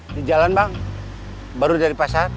di jalan bang baru dari pasar